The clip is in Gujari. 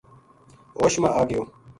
ہوں ہوش ما آ گیو